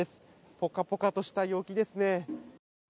ぽかぽかとした陽気ですね。